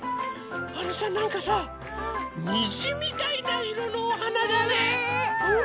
あのさなんかさにじみたいないろのおはなだね。ね！